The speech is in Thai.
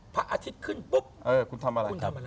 พระอาทิตย์ขึ้นปุ๊บเออคุณทำอะไรครับ